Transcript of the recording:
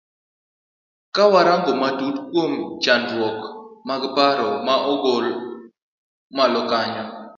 Kawa rango matut kuom chandruok mag paro ma ogol malo kanyo.